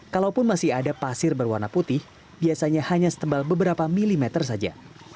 kalaupun masih ada pasir berwarna putih biasanya hanya setebal beberapa milimeter saja